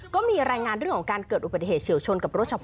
ก็มีรายงานเรื่องของการเกิดอุบัติเหตุเฉียวชน